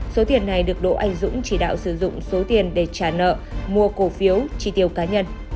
số tiền này được độ ảnh dũng chỉ đạo sử dụng số tiền để trả nợ mua cổ phiếu tri tiêu cá nhân